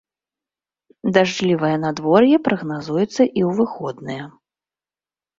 Дажджлівае надвор'е прагназуецца і ў выходныя.